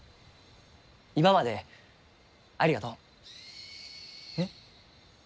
今までありがとう。えっ。